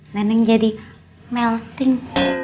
neneng jadi melting